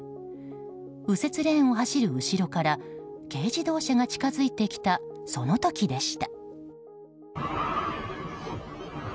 右折レーンを走る後ろから軽自動車が近づいてきたその時でした。